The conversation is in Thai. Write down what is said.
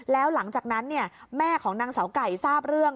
แล้วหลังจากนั้นแม่ของนางสาวไก่ทราบเรื่อง